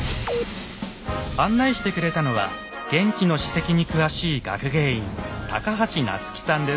案内してくれたのは現地の史跡に詳しい学芸員